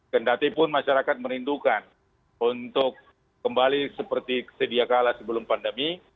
kendatipun masyarakat merindukan untuk kembali seperti sediakala sebelum pandemi